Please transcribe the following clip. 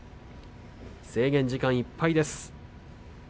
制限時間いっぱいです。